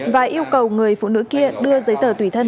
và yêu cầu người phụ nữ kia đưa giấy tờ tùy thân